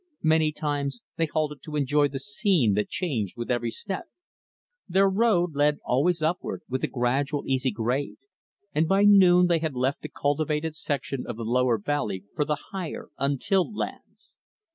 Many times they halted to enjoy the scene that changed with every step. Their road led always upward, with a gradual, easy grade; and by noon they had left the cultivated section of the lower valley for the higher, untilled lands.